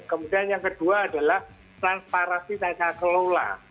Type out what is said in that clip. kemudian yang kedua adalah transparansi tata kelola